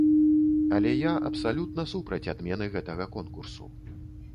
Але я абсалютна супраць адмены гэтага конкурсу.